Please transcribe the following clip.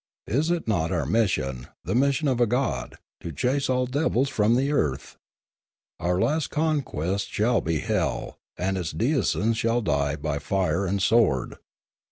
Is it not our mission, the mission of a god, to chase all devils from the earth ? Our last conquest shall be hell, and its denizens shall die by fire and sword."